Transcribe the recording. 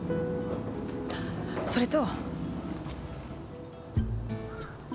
それと。